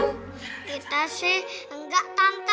kita sih gak tante